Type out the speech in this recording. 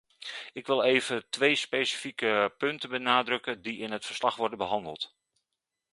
Ik wil even twee specifieke punten benadrukken die in het verslag worden behandeld.